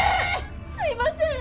すいません